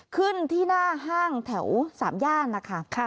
ขึ้นที่หน้าห้างแถว๓ย่านนะคะ